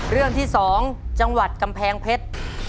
เรื่องที่๒จังหวัดกำแพงเพชร